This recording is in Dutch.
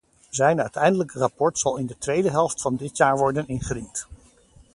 Zijn uiteindelijke rapport zal in de tweede helft van dit jaar worden ingediend.